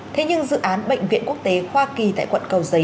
thế nhưng dự án bệnh viện quốc tế hoa kỳ tại quận cầu giấy